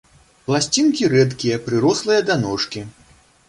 Пласцінкі рэдкія, прырослыя да ножкі.